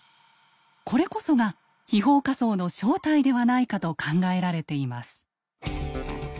これこそが「飛砲火槍」の正体ではないかと考えられています。